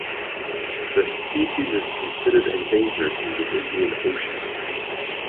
The species is considered endangered in the Indian Ocean.